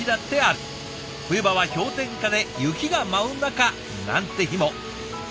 冬場は氷点下で雪が舞う中なんて日も。